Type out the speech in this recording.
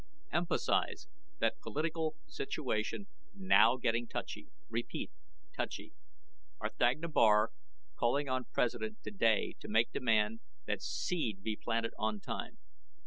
EMPHASIZE THAT POLITICAL SITUATION NOW GETTING TOUCHY. REPEAT TOUCHY. R'THAGNA BAR CALLING ON PRESIDENT TODAY TO MAKE DEMAND THAT SEED BE PLANTED ON TIME.